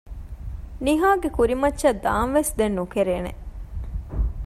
ނިހާގެ ކުރިމައްޗަށް ދާންވެސް ދެން ނުކެރޭނެ